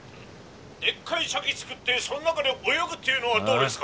でっかい茶器つくってその中で泳ぐっていうのはどうですか？」。